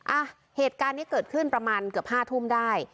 อ่ะเหตุการณ์นี้เกิดขึ้นประมาณเกือบห้าทุ่มได้